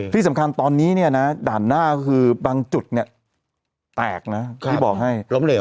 ที่สำคัญตอนนี้นี่นะด่านหน้าคือบางจุดเนี่ยแตกนะบอกให้